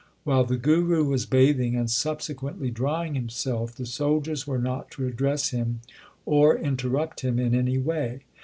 While the Guru was bathing and subsequently drying himself, the soldiers were not to address him or interrupt him in any way.